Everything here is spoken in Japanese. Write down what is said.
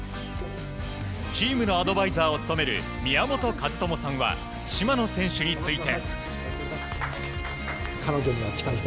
チームのアドバイザーを務める宮本和知さんは島野選手について。